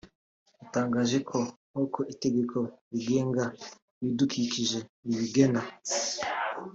yatangaje ko nk’uko itegeko rigenga ibidukikije ribigena